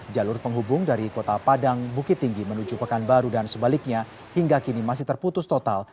jalur penghubung dari kota padang bukit tinggi menuju pekanbaru dan sebaliknya hingga kini masih terputus total